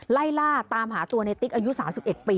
ไล่ล่าตามหาตัวในติ๊กอายุสามสิบเอ็ดปี